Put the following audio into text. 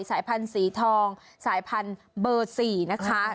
สายพันธุ์สีทองสายพันธุ์เบอร์๔นะคะ